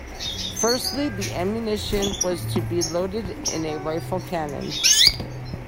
Firstly, the ammunition was to be loaded in a rifled cannon.